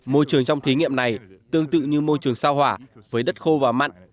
môi trường trong thí nghiệm này tương tự như môi trường sao hỏa với đất khô và mặn